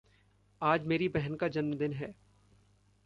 आज मेरी बहन का जन्मदिन है।